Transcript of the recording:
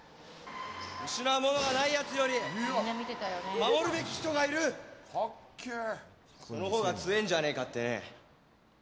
失うものがないやつより守るべき人がいるそのほうが強えんじゃねえかってね。